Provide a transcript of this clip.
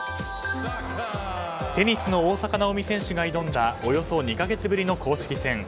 テニスの大坂なおみ選手が挑んだおよそ２か月ぶりの公式戦。